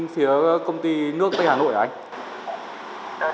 tây hà nội không có nước để bơm thế nên không có nước để bơm